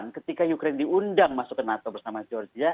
dua ribu delapan ketika ukraine diundang masuk ke nato bersama georgia